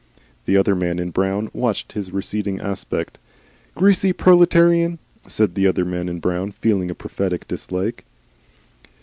The other man in brown watched his receding aspect. "Greasy proletarian," said the other man in brown, feeling a prophetic dislike.